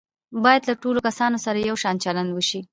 باید له ټولو کسانو سره یو شان چلند وشي.